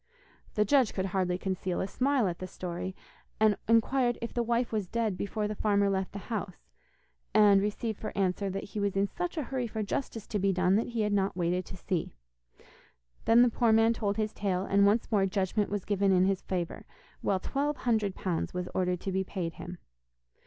The judge could hardly conceal a smile at the story, and inquired if the wife was dead before the farmer left the house, and received for answer that he was in such a hurry for justice to be done that he had not waited to see. Then the poor man told his tale, and once more judgment was given in his favour, while twelve hundred pounds was ordered to be paid him.